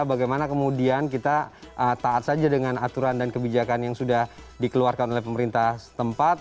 bagaimana kemudian kita taat saja dengan aturan dan kebijakan yang sudah dikeluarkan oleh pemerintah tempat